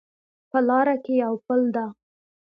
په لاره کې یو پل ده